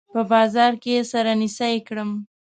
په بازار کې يې سره نيڅۍ کړم